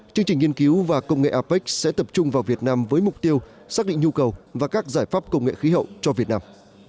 chương trình nghiên cứu và công nghệ apec sẽ tập trung vào việt nam với mục tiêu xác định nhu cầu và các giải pháp công nghệ khí hậu cho việt nam